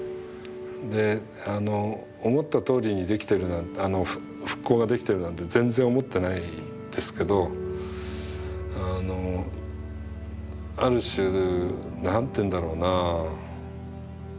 で思ったとおりにできてるなんて復興ができてるなんて全然思ってないですけどある種何ていうんだろうなぁ。